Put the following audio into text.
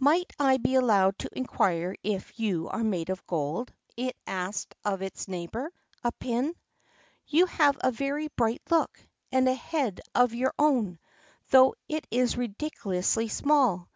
"Might I be allowed to inquire if you are made of gold?" it asked of its neighbor—a pin. "You have a very bright look, and a head of your own, though it is ridiculously small.